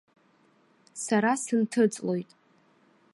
Сара сынҭыҵлоит.